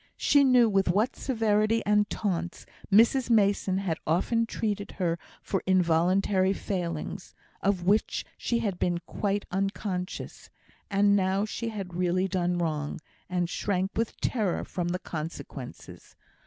She knew with what severity and taunts Mrs Mason had often treated her for involuntary failings, of which she had been quite unconscious; and now she had really done wrong, and shrank with terror from the consequences.